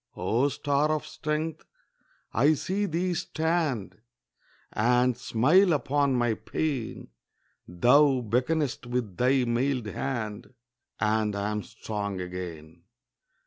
O star of strength! I see thee stand And smile upon my pain; Thou beckonest with thy mailed hand, And I am strong again.